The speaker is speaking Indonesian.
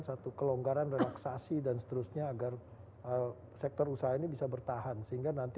satu kelonggaran relaksasi dan seterusnya agar sektor usaha ini bisa bertahan sehingga nanti